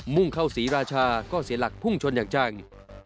่งเข้าศรีราชาก็เสียหลักพุ่งชนอย่างจัง